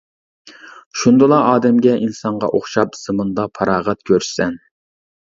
شۇندىلا ئادەمگە، ئىنسانغا ئوخشاپ زېمىندا پاراغەت كۆرىسەن.